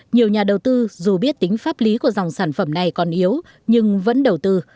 nhiều nhà đầu tư dù biết tính pháp lý của dòng sản phẩm này còn yếu nhưng vẫn đầu tư